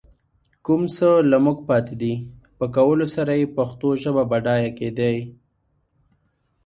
کوم څه له موږ پاتې دي، په کولو سره يې پښتو ژبه بډايه کېدای